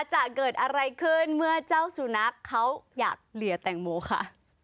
จะเกิดอะไรขึ้นเมื่อเจ้าสุนัขเขาอยากเหลี่ยแตงโมค่ะ